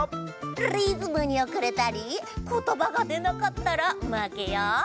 リズムにおくれたりことばがでなかったらまけよ。